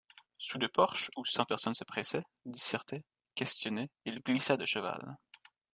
Sous le porche, où cent personnes se pressaient, dissertaient, questionnaient, il glissa de cheval.